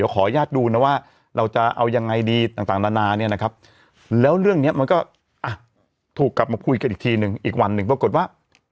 ขอยากดูครับเราจะเอายังไงดีต่างนานาเนี่ยนะครับแล้วเรื่องเนี่ยมันก็ถูกกลับมาพูดกันอีกทีนึงอีกวันนึงปรากฏว่า